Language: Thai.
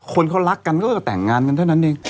คนเขารักกันก็จะแต่งงานกันเท่านั้นเอง